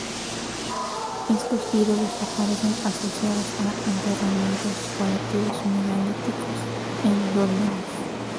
Estos ídolos aparecen asociados a enterramientos colectivos megalíticos, en dólmenes.